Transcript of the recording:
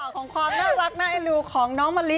ขอขอความน่ารักน่ายลูกของน้องมะลิ